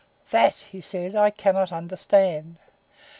"That," he said, "I cannot understand.